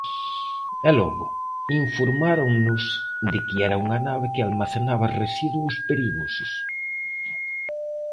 E logo, informáronnos de que era unha nave que almacenaba residuos perigosos.